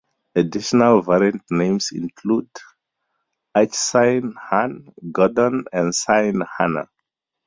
Additional variant names include: Achsinne-hanne, Gordon, and Sinne-hanna.